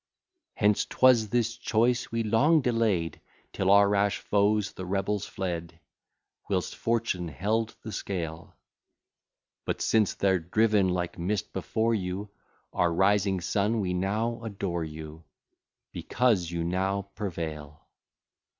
Hence 'twas this choice we long delay'd, Till our rash foes the rebels fled, Whilst fortune held the scale; But [since] they're driven like mist before you, Our rising sun, we now adore you, Because you now prevail.